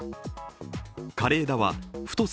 枯れ枝は太さ